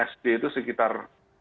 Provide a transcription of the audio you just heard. sd itu sekitar